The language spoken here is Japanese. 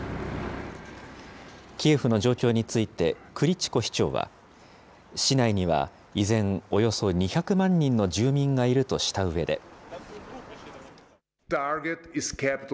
キエフの状況について、クリチコ市長は、市内には依然、およそ２００万人の住民がいるとしたうえで。